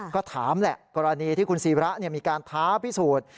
ก็ถามแหละกรณีที่คุณศิระมีการท้าพิสูจน์